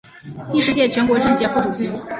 第十届全国政协副主席。